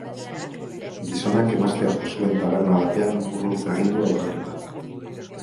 Gizonak emaztea jo zuen taberna batean urruntze agindua urratuta.